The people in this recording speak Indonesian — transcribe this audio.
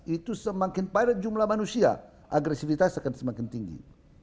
itu semakin padat jumlah manusia agresivitas akan semakin tinggi